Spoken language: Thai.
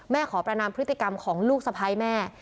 ขอประนามพฤติกรรมของลูกสะพ้ายแม่